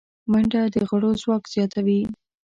منډه د غړو ځواک زیاتوي